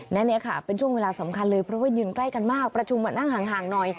และนี่ค่ะเป็นช่วงเวลาสำคัญเลยเพราะว่ายืนใกล้กันมากประชุมนั่งห่างหน่อย